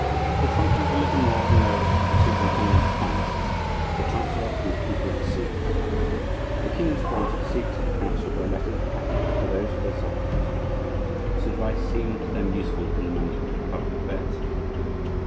His functions were little more than those of the superintendent of finances, the chancellor, and the keeper of the seals. The kings granted seats at the council by letters patent to those of their subjects whose advice seemed to them useful in the management of public affairs.